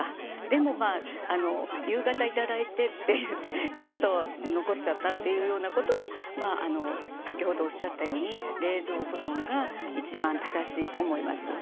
でも、夕方いただいてちょっと残っちゃったというようなことは先ほどおっしゃったように冷蔵保存が一番正しいと思います。